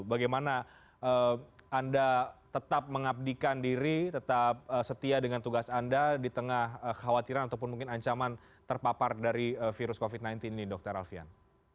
bagaimana anda tetap mengabdikan diri tetap setia dengan tugas anda di tengah khawatiran ataupun mungkin ancaman terpapar dari virus covid sembilan belas ini dokter alfian